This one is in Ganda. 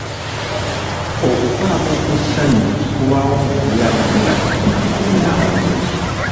Okukaaba okw’essanyu kubaawo ng’oli abadde yaakafuna amawulire amalungi.